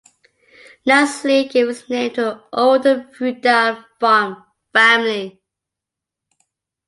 Nesle gave its name to an old feudal family.